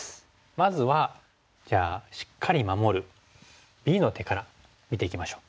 まずはじゃあしっかり守るＢの手から見ていきましょう。